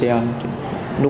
thì em vô gọi tuấn